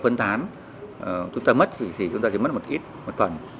phân tán chúng ta mất thì chúng ta sẽ mất một ít một phần